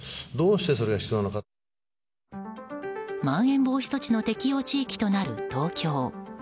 まん延防止措置の適用地域となる東京。